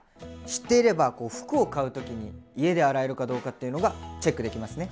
知っていれば服を買う時に家で洗えるかどうかっていうのがチェックできますね。